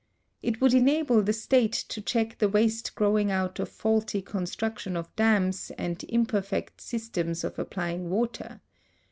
It would en able the state to check the waste growing out of faulty construc tion of dams and imperfect systems of applying water.